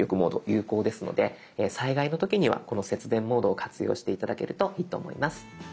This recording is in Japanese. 有効ですので災害の時にはこの節電モードを活用して頂けるといいと思います。